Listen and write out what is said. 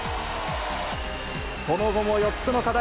その後も４つの課題